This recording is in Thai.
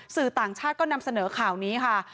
สื่อต่างชาติก็นำเสนอข่าวนี้ค่ะ